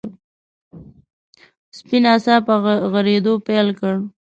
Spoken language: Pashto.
سپي ناڅاپه غريدو پيل کړ.